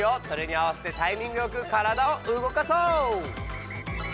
それにあわせてタイミングよくからだを動かそう！